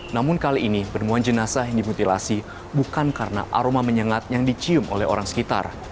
namun kali ini penemuan jenazah yang dimutilasi bukan karena aroma menyengat yang dicium oleh orang sekitar